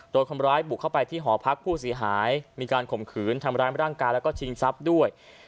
คนร้ายบุกเข้าไปที่หอพักผู้เสียหายมีการข่มขืนทำร้ายร่างกายแล้วก็ชิงทรัพย์ด้วย